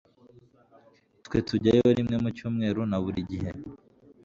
twe tujyayo rimwe mu cyumweru na buri gihe